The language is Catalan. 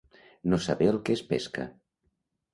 No saber el que es pesca.